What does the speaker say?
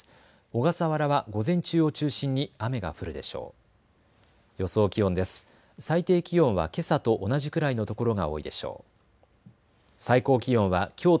小笠原は午前中を中心に雨が降るでしょう。